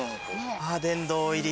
あっ殿堂入り。